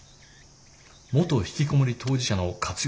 元ひきこもり当事者の活用